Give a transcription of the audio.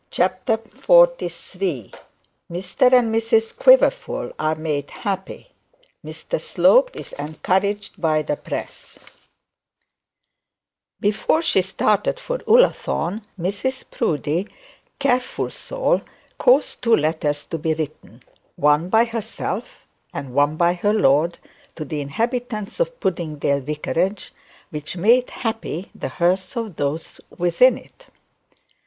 CHAPTER XLIII MR AND MRS QUIVERFUL ARE MADE HAPPY. MR SLOPE ENCOURAGED BY THE PRESS Before she started for Ullathorne, Mrs Proudie, careful soul, caused two letters to be written, one by herself and one by her lord, to the inhabitants of Puddingdale vicarage, which made happy the hearth of those within it.